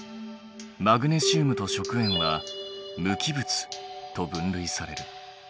マグネシウムと食塩は無機物と分類される。